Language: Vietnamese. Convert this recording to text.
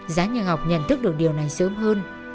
giá nhà học nhận thức được điều này sớm hơn